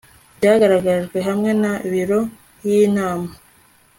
byagaragajwe hamwe na biro y inama